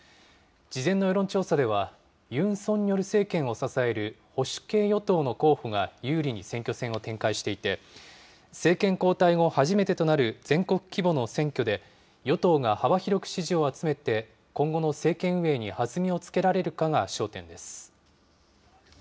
事前の世論調査では、ユン・ソンニョル政権を支える保守系与党の候補が有利に選挙戦を展開していて、政権交代後、初めてとなる全国規模の選挙で、与党が幅広く支持を集めて、今後の政権運営に弾みをつけられるかが焦点です。